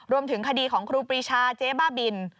รวมถึงคดีของครูปรีชาเจ๊บ้าบิน